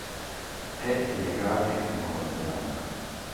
E' legale in Nuova Zelanda.